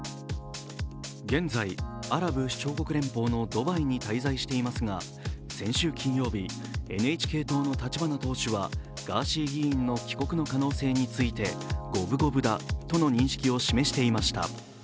現在、アラブ首長国連邦のドバイに滞在していますが先週金曜日、ＮＨＫ党の立花党首はガーシー議員の帰国の可能性について五分五分だとの認識を示していました。